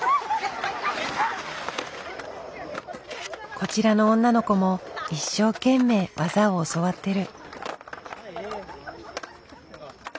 こちらの女の子も一生懸命技を教わってる。